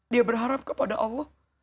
dia berharap kepada allah